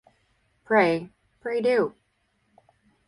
Pray, pray do.